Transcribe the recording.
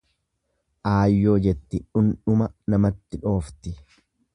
Aayyoo jetti dhundhuma namatti dhoofti.